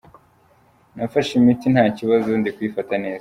Nafashe imiti nta kibazo ndi kuyifata neza.